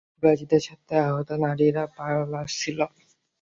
কুরাইশদের সাথে আহত নারীরাও পালাচ্ছিল।